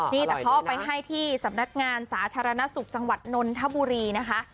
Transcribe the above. นี่แต่เขาเอาไปให้ที่สำนักงานสาธารณสุขจังหวัดนนทบุรีนะคะ